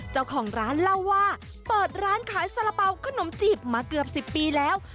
เจ้าของร้านเล่าว่าเปิดร้านขายสาระเป๋าขนมจีบมาเกือบ๑๐ปีแล้ว